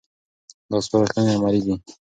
دا سپارښتنې عملي دي.